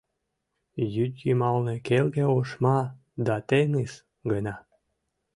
— Йӱдйымалне келге ошма да теҥыз гына.